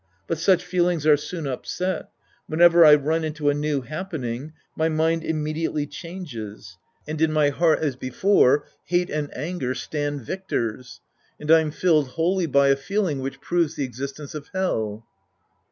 But such feelings are soon upset. Whenever I run into a new happen ing, my mind immediately changes. And in my 48 The Priest and His Disciples Act I heart as before, hate and anger stand victors. And I'm filled wholly by a feeling which proves the exists ence of Hell.